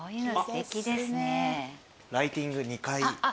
ライティング２階。